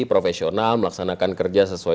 profesional melaksanakan kerja sesuai